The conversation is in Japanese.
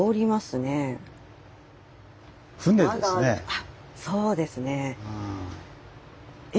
あっそうですね。